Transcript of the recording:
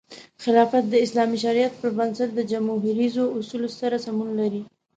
خلافت د اسلامي شریعت پر بنسټ د جموهریزو اصولو سره سمون لري.